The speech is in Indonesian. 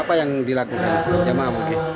apa yang dilakukan jamaah abu g